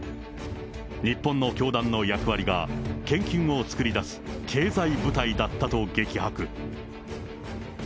日本の教団の役割が、献金を作り出す経済部隊だったと激白。